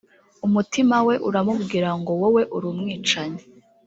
umutima we uramubwira ngo wowe uri umwicanyi